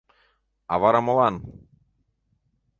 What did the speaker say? — А вара молан?